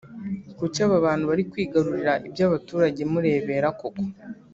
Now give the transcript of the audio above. Kuki aba bantu bari kwigarurira ibya abaturage murebera koko?